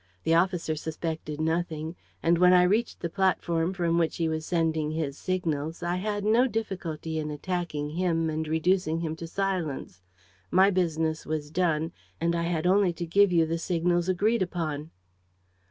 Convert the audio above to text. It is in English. The officer suspected nothing; and, when I reached the platform from which he was sending his signals, I had no difficulty in attacking him and reducing him to silence. My business was done and I had only to give you the signals agreed upon."